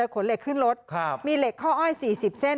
ขนเหล็กขึ้นรถมีเหล็กข้ออ้อย๔๐เส้น